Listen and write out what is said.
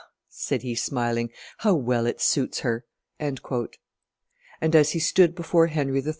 said he smiling, "how well it suits her!" And, as he stood before Henry III.